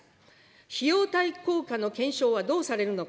費用対効果の検証はどうされるのか。